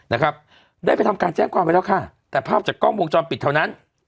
นะครับได้ไปทำการแจ้งความไว้แล้วค่ะแต่ภาพจากกล้องวงจรปิดเท่านั้น